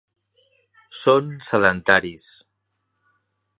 Són sedentaris.